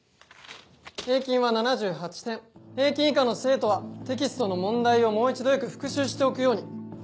平均は７８点平均以下の生徒はテキストの問題をもう一度よく復習しておくように。